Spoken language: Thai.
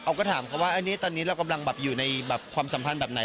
เราก็ถามเขาว่าตอนนี้เรากำลังอยู่ในความสัมพันธ์แบบไหน